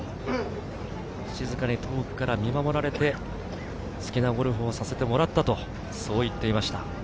静かに遠くから見守られて、好きなゴルフをさせてもらったと言っていました。